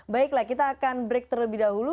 baiklah kita akan break terlebih dahulu